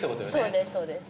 そうですそうです